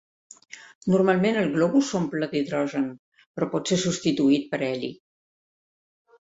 Normalment el globus s'omple d'hidrogen però pot ser substituït per l'heli.